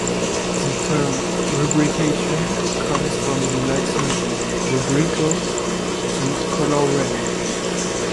The term "rubrication" comes from the Latin "rubrico", "to color red".